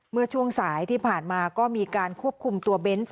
เมื่อช่วงสายที่ผ่านมาก็มีการควบคุมตัวเบนส์